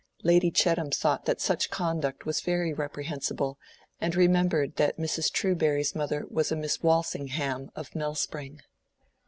Lady Chettam thought that such conduct was very reprehensible, and remembered that Mrs. Truberry's mother was a Miss Walsingham of Melspring.